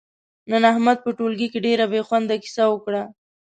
نن احمد په ټولگي کې ډېره بې خونده کیسه وکړه،